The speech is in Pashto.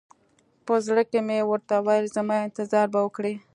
په زړه کښې مې ورته وويل زما انتظار به وکړې.